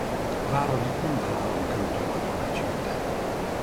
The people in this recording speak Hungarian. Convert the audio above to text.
Váradyt mind a három költő nagyra becsülte.